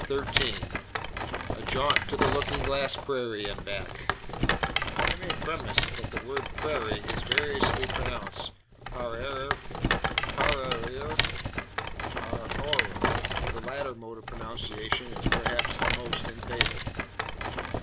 CHAPTER XIII A JAUNT TO THE LOOKING GLASS PRAIRIE AND BACK I MAY premise that the word Prairie is variously pronounced paraaer, parearer, paroarer. The latter mode of pronunciation is perhaps the most in favour.